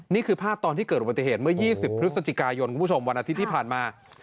นี่คือภาพตอนที่เกิดอุบัติเหตุเมื่อ๒๐พฤศจิกายนคุณผู้ชมวันอาทิตย์ที่ผ่านมา